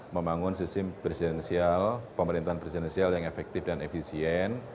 membangun sistem presidensial pemerintahan presidensial yang efektif dan efisien